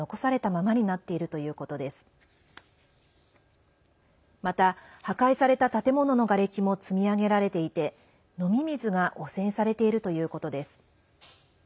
また、破壊された建物のがれきも積み上げられていて飲み水が汚染されているということです。